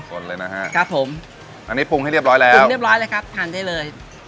คนเลยนะฮะครับผมอันนี้ปรุงให้เรียบร้อยแล้วปรุงเรียบร้อยแล้วครับ